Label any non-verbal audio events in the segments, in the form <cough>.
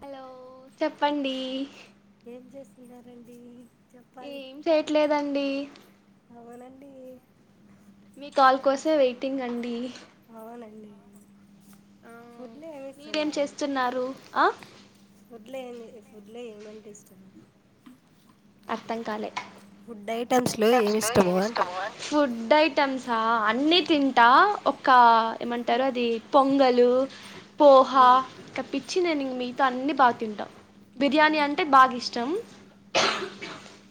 Hello చెప్పండి ఏం చేస్తున్నారండి చెప్పాలి ఏం చేయట్లేదండి అడి మీ కాల్ కోసం వెయిటింగ్ అండి అవునండి ఆ ఫుడ్లో ఏమి ఇష్టం మీరేం నీకు చేస్తున్నారు ఆ ఫుడ్లో ఫుడ్లో ఏమంటే ఇష్టం అర్ధం కాలే ఫుడ్ ఐటమ్స్లో ఏమి <unintelligible> ఇష్టము ఏం అంటే ఇస్తాం అని ఫుడ్ ఐటమ్ ఐటమ్సా అన్ని తింటా ఒక ఏమంటారు అది పొంగలు పోహా ఉమ్, ఇక పిచ్చి నేను మీగతో అన్ని బాగా తింటాం ఆ, బిర్యానీ అంటే బాగా ఇష్టం ష్టం ఆ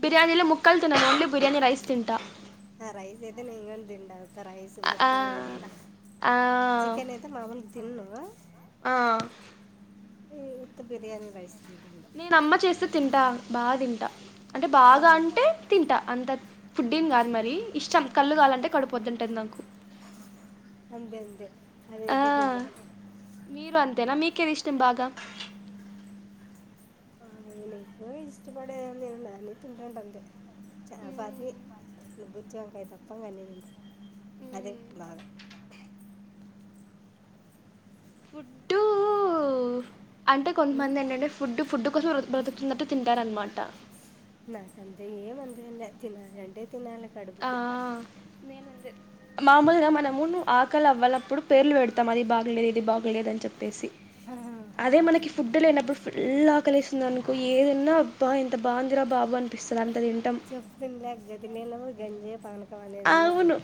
బిర్యానీలో ముక్కలు తినను ఓన్లీ బిర్యానీ రైస్ తింటా ఆ రైస్ అయితే నింగెండా రైస్ ఆ ముక్కలు వి ఆ చికెన్ అయితే మామూలుకి తిన్నాను ఆ ఏ యుత్త బిర్యానీ రైస్ తింటాను నేను అమ్మ చేస్తే తింటా బాగా తింటా అంటే బాగా ఆహా, అంటే తింటా అంత ఫుడ్ని కాదు మరి ఇష్టం కళ్ళు కాలంటే కడుపోద్దుంటుది నాకు అంతే అంతే ఆ అదేతే నిజం మీకేం ఇష్టం బాగా ఎ ఇష్టపడే అ తంటంటంది అ అది మ్మ్. బుచ్చి వంకాయ తప్పంగానే ఉంది అదే మ్మ్. బాగా ఫుడ్డు అంటే ఉం? కొంతమంది ఏంటంటే ఫుడ్డు ఫుడ్ కోసం బ్రతుకుతున్నట్టు తింటారన్నమాట నాకుందే ఏం అంద లే తినాలింటే తినాలి ఆ కడుపుకి నేనంతే మామూలుగా మనము ఆకలి అవ్వలప్పుడు పేర్లు పెడతాం అది బాగలేదు ఇది బాగలేదు అని చెప్తా పేసి ఆ, అదే మనకి ఫుడ్ లేనప్పుడు ఫుల్ ఆకలిస్తుంది అనుకో ఏదన్నా అబ్బా ఎంత బాగుందిరా బాబు అనిపిస్తుంది అంత చెప్తుంది నా గతి నళ గంజే పానికి అవును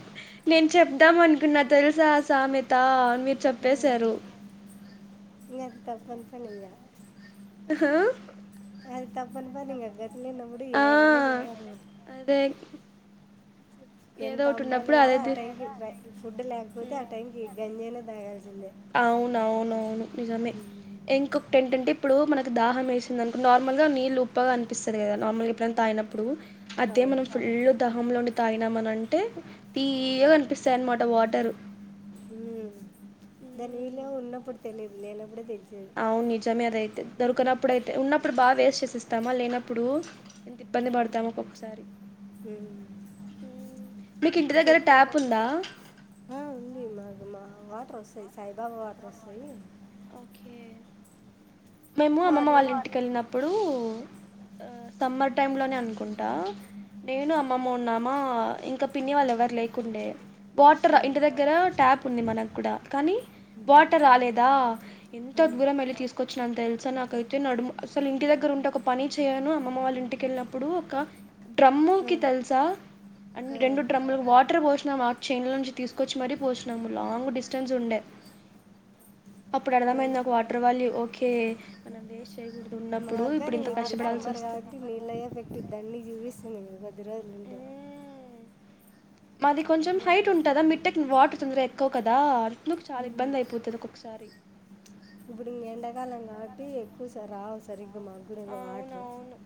నేను చెప్పు ఇద్దాం అనుకునా తెలుసా సామెత అని మీరు చెప్పేశారు ఏ అ తప్ప సనియా హా అది తప్పని పని ఈగ గతి లేనప్పుడు ఆ ఏదైనా తింటారు. అదే ఏదో ఎంత ఒకటి ఉన్నప్పుడు అమ్బాలనా అదే ఆ తి టైంకి ఫుడ్ లేకపోతే ఆ ఉమ్. టైకి గంజాయినా తాగాలి. అవునవునవును నిజమే ఉం. ఇంక ఏంటంటే ఇప్పుడు మనకు దాహం వేసింది అనుకొ నార్మల్గా నీళ్ళు ఉప్పగా అనిపిస్తుంది కదా నార్మల్గా ఎప్పుడైనా తాగనప్పుడు. అదే అవును మనం ఫుల్ దా హ లోండి తాగినమని అంటే తీయ కనిపిస్తాయి అనమాట వాటరు. మ్మ్. దాని వీళ్ళ ఉన్నప్పుడు తెలీదు నేనప్పుడే తెలి అవును నిజమే అదైతేది దొరికనప్పుడు అయితే ఉన్నప్పుడు బాగా వేస్ట్ చేసిస్తామా లేనప్పుడు ఇంత ఇబ్బంది పడతాము ఒక్కొక్కసారి. ఫలి మ్మ్. మీకు ఇంటి దగ్గర చెప్తా ట్యాప్ ఉందా ఆ ఉంది మాకు మా వాటర్ వస్త సాయిబాబా వాటర్ వస్తాయి ఓకే మేము అమ్మమ్మ వాళ్ళ మార్నింగ్ ఇంటిక వెళ్ళినప్పుడు ఆ సమ్మర్ టైమ్ లోనే అనుకుంటా నేను అమ్మ మన్నామా ఇంకా పిన్ని వాళ్ళ ఎవరు లేకుండే వాటర్ ఆ, ఇంటి దగ్గర ట్యాప్ ఉంది మనకు కూడా కానీ వాటర్ రాలేదా ఎంత ఆ, దూరం వెళ్ళి తీసుకచ్చిన అంత తెలుసా నాకైతే నడుము అసలు ఇంటి దగ్గర ఉంటే ఒక పని చేయను అమ్మ వాళ్ళ ఇంటికెళ్ళినప్పుడు ఒక ఆ, డ్రమ్ముకి తెలుసా. అ ఆ. రెండు డ్రమ్ములు వాటర్ పోసినాము ఆ చైన్ల నుంచి తీసుకొచ్చి మరీ పోసినాము లాంగ్ డిస్టెన్స్ ఉండే అప్పుడు అర్థమైంది అది. నా ఒక వాటర్ వాలీ ఓకే మనం వేస్ట్ చేయ్యకూదు ఉన్న మర్గానికి ఇప్పుడు సమ్మర్ కాబట్టి నీళ్ళ ఎఫెక్ట్ దండిగా చూపిస్తుంది ఈ రోజు ఉండే మ్మ్ మాది కొంచెం హైట్ ఉంటుందా మిట్టక్ వాటర్ తొందరగా ఎక్కువ కదా అ నుకు చాలా ఇబ్బంది అయిపోతుది ఒొసారి. త్తరి ఇప్పుడుకా ఎండాకాలం కాబట్టి ఎక్కువ సార్ రావు సర ఇ. ఒక మగ్గుర వాటర్ అవునవును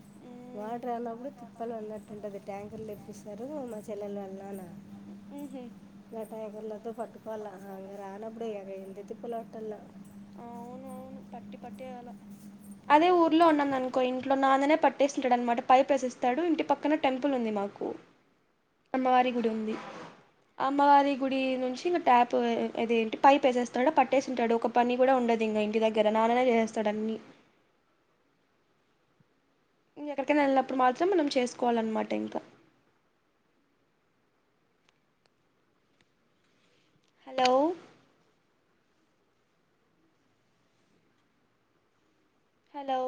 వాటర్ అన్నప్పుడు తిప్పలు అన్నట్టుంటది ట్యాంకర్లు. చూస్తారు మా చెల్లెల వల్లన నాన హుహు ఎళతో పట్టుకోల అ రానప్పుడక ఎంత ఇప్పలు పాటల్లో అవును పట్టి పట్టే అలా అదే ఊర్లో ఉన్నా అనుకో ఇంట్లో నాన్ననే పట్టేస్తుినాడు అనమాట పై ప్రశిస్తాడు ఇంటి పక్కన టెంపుల్ ఉంది మామాట. నాకు అమ్మవారి గుడి ఉంది. అమ్మవారి గుడి నుంచి ఇంగ ట్యాప్ అది ఏంటి పైప్ వేసేస్తాడు పట్టేసి ఉంటాడు ఒక పని కూడా ఉండదు ఇంకా ఇంటి దగ్గర నాన్ననే చేస్తాడు అన్ని ఇంక ఎక్కడికైనా వెళ్ళినప్పుడు మాత్రం మనం చేసుకోవాలన్నమాట ఇంకా. Hello hello